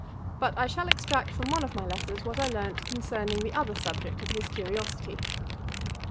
But I shall extract from one of my letters what I learnt concerning the other subject of his curiosity.